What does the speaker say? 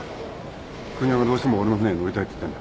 邦夫がどうしても俺の船に乗りたいって言ってんだ。